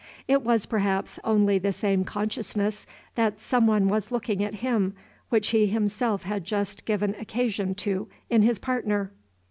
It was, perhaps, only the same consciousness that some one was looking at him which he himself had just given occasion to in his partner.